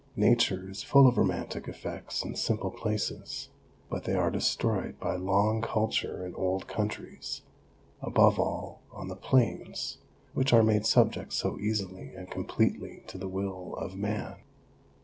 Nature is full of romantic effects in simple places, but they are destroyed by long culture in old countries, above all on the plains, which are made subject so easily and completely to the will of man.